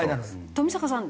冨坂さん